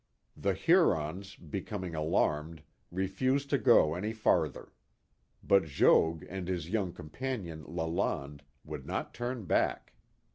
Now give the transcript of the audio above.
The Hurons, becoming alarmed, refused to go any farther, but Jogues and his young companion, Lalande, would not turn back.